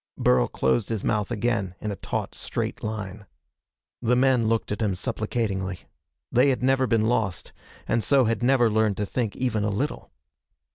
Burl closed his mouth again, in a taut straight line. The men looked at him supplicatingly. They had never been lost, and so had never learned to think even a little.